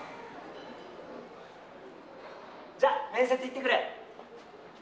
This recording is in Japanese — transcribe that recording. じゃあ面接行ってくる！